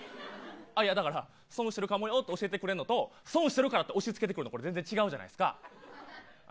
だから損してるかもよと教えてくれるのと損してるからと押し付けてくるのは全然違うじゃないですか。